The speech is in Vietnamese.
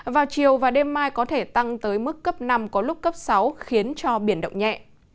vào chiều và đêm mai có thể tăng tới mức cấp năm có lúc cấp sáu khiến cho biển động nhẹ